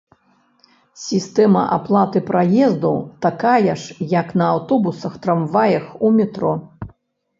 Сістэма аплаты праезду такая ж, як на аўтобусах, трамваях, у метро.